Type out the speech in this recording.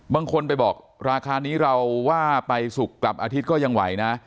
บางคนไปบอกราคานี้เราว่าไปศุกร์กลับอาทิตย์ก็ยังไหวนะ